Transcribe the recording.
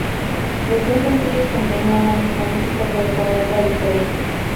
Los dos sencillos contenían la misma música pero con letra diferente.